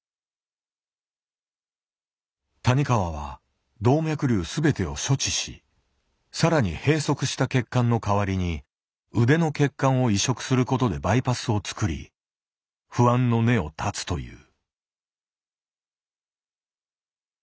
谷川は動脈瘤全てを処置しさらに閉塞した血管の代わりに腕の血管を移植することでバイパスを作り不安の根を絶つという。